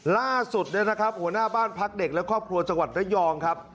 ล่าสุดเนี่ยนะครับหัวหน้าบ้านพักเด็กและครอบครัวจังหวัดระยองครับ